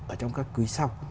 ở trong các quý sau